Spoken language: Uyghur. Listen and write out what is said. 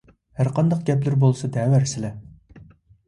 ھەرقانداق گەپلىرى بولسا دەۋەرسىلە!